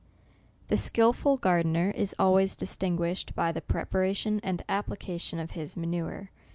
The skilful gardener is always distinguished by the preparation and application of his ma nure.